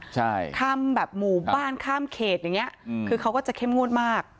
สามแบบหมู่บ้านข้ามเขตอย่างนี้คือเขาจะเข้มงวลมาก